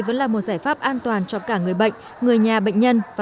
vấn đề liên quan tới thông tin người nhà và đặc biệt là